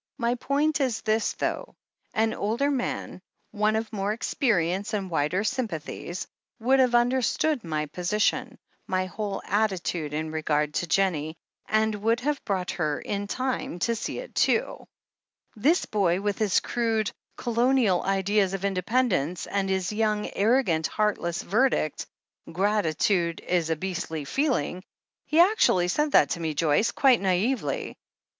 "My point is this, though. An older man — one of more experience and wider sympathies — ^would have understood my position — ^my whole attitude in regard to Jennie — and would have brought her, in time, to see 412 THE HEEL OF ACHILLES it too. This boy, with his crude, Colonial ideas of in dependence, and his young, arrogant, heartless verdict — 'gratitude is a beastly feeling' — ^he actually said that to me, Joyce, quite naively